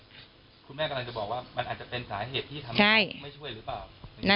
คุณแม่กำลังจะบอกว่ามันอาจจะเป็นสาเหตุที่ทำให้ไม่ช่วยหรือเปล่า